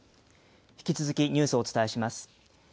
引き続きニュースをお伝えします。